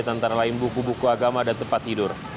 dan antara lain buku buku agama dan tempat tidur